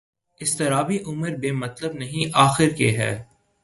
اضطرابِ عمر بے مطلب نہیں آخر کہ ہے